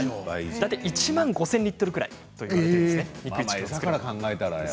大体１万５０００リットルくらいということですね。